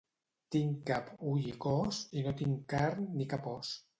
Tinc cap, ull i cos, i no tinc carn ni cap os.